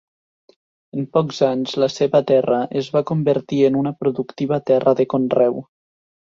En pocs anys la seva terra es va convertir en una productiva terra de conreu.